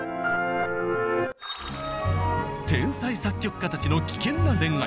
天才作曲家たちの危険な恋愛。